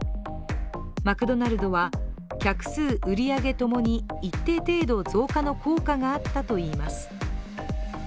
マクドナルドは、客数、売り上げともに一定程度増加の効果があったといいます。